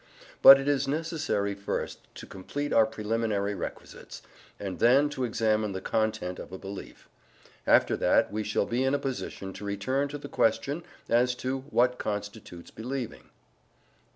But it is necessary first to complete our preliminary requisites, and then to examine the content of a belief. After that, we shall be in a position to return to the question as to what constitutes believing.